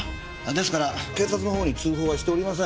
ですから警察のほうに通報はしておりません。